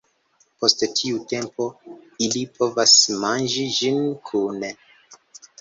Post tiu tempo, ili povos manĝi ĝin kune.